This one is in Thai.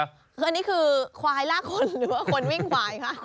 อันนี้คือควายลากคนหรือว่าคนวิ่งควายคะ